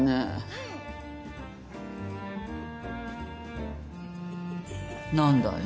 うん。何だい？